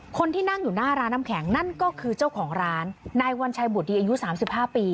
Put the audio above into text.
คนที่นั่งอยู่หน้าร้านน้ำแข็งนั่นก็คือเจ้าของร้านนายวัญชัยบุตรดีอายุ๓๕ปี